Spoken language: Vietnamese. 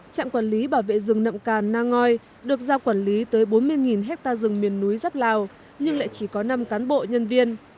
trạm quản lý bảo vệ rừng nậm càn nang ngoi được giao quản lý tới bốn mươi ha rừng miền núi dắp lào nhưng lại chỉ có năm cán bộ nhân viên